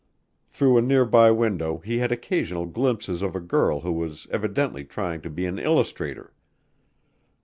Through a near by window he had occasional glimpses of a girl who was evidently trying to be an illustrator.